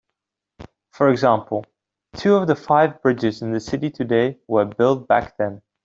For example, two of the five bridges in the city today were built back then.